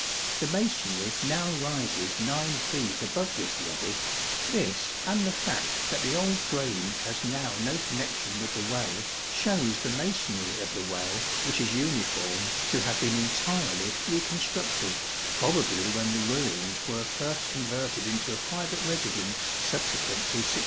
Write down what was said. The masonry now rises 9 feet above this level this and the fact that the old drain has now no connection with the well shows the masonry of the well, which is uniform, to have been entirely reconstructed, probably when the ruins were first converted into a private residence subsequent to 1662.